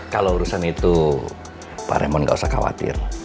kalau urusan itu pak remon nggak usah khawatir